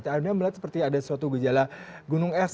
anda melihat seperti ada suatu gejala gunung es